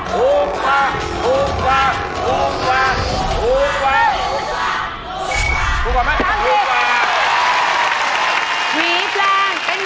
ถูกกว่า